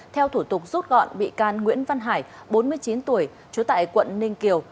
theo thủ tục rút gọn bị can nguyễn văn hải bốn mươi chín tuổi trú tại quận ninh kiều